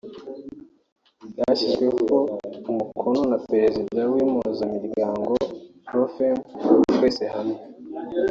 ryashyizweho umukono na Perezida w’Impuzamiryango Pro-Femmes Twese hamwe